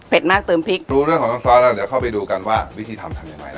มากเติมพริกรู้เรื่องของน้ำซอสแล้วเดี๋ยวเข้าไปดูกันว่าวิธีทำทำยังไง